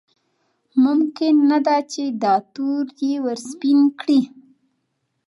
ممکن نه ده چې دا تور یې ورسپین کړي.